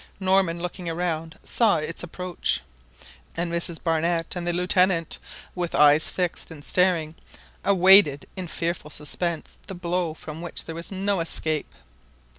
Norman, looking round, saw its approach; and Mrs Barnett and the Lieutenant, with eyes fixed and staring, awaited in fearful suspense the blow from which there was no escape.